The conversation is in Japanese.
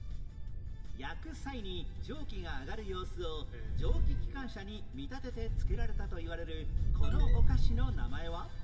焼く際に蒸気が上がる様子を蒸気機関車に見立てて作られたといわれるこのお菓子の名前は？